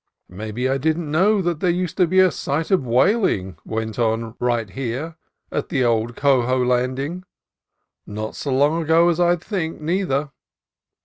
Maybe I did n't know that there used to be a sight of whaling went on right here at the old Co jo land ing ; not so long ago as I 'd think, neither.